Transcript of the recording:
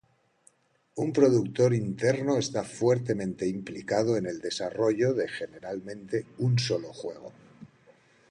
Un productor interno está fuertemente implicado en el desarrollo de, generalmente, un solo juego.